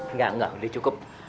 engga engga udah cukup